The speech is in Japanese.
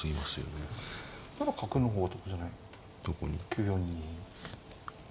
９四に。